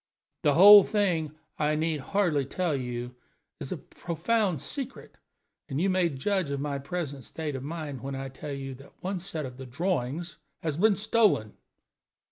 The whole thing, I need hardly tell you, is a profound secret, and you may judge of my present state of mind when I tell you that one set of drawings has been stolen."